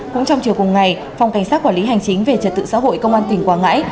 cũng trong chiều cùng ngày phòng cảnh sát quản lý hành chính về trật tự xã hội công an tỉnh quảng ngãi